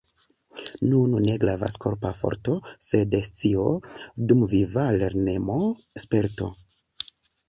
Nun ne gravas korpa forto, sed scio, dumviva lernemo, sperto.